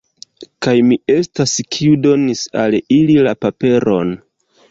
Kaj mi estas, kiu donis al ili la paperon!